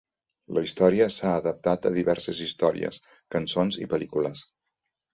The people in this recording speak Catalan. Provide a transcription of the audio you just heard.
La història s'ha adaptat a diverses històries, cançons i pel·lícules.